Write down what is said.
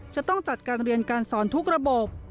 จะต้องจัดการเรียนการสอนทุกระบบ